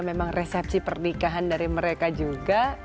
memang resepsi pernikahan dari mereka juga